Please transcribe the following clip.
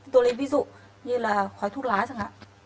tôi lấy ví dụ như là khói thuốc lá chẳng hạn